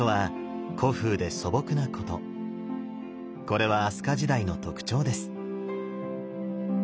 これは飛鳥時代の特徴です。